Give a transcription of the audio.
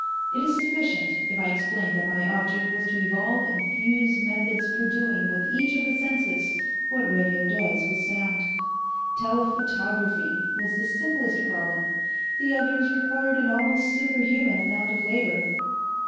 It is sufficient if I explain that my object was to evolve and fuse methods for doing with each of the senses what radio does with sound. Telephotography was the simplest problem the others required an almost superhuman amount of labor.